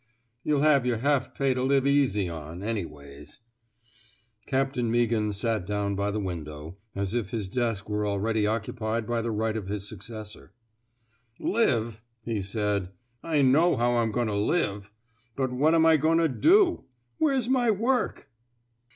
Yuh'll have yer half pay to live easy on, anyways/' Captain Meaghan sat down by the window, as if his desk were already occupied by the right of his successor. *'LiveI'' he said. '* I know how I'm goin' to live. But what'm I goin' to do? Where's my work?